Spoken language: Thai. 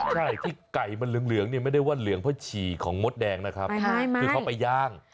ใช่ที่ไก่มันเหลืองเนี่ยไม่ได้ว่าเหลืองเพราะฉี่ของมดแดงนะครับคือเขาไปย่าง